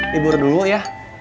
libur dulu ya